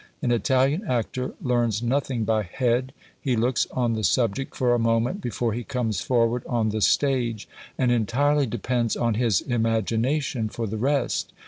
An Italian actor learns nothing by head; he looks on the subject for a moment before he comes forward on the stage, and entirely depends on his imagination for the rest.